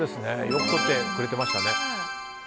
よく撮ってくれてましたね。